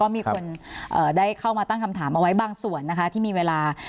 มีคนได้เข้ามาตั้งคำถามเอาไว้บางส่วนนะคะที่มีเวลา